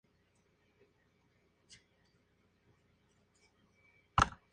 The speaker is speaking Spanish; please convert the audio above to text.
Es encontrado en las distintas traducciones con el nombre de Uz, Us o Hus.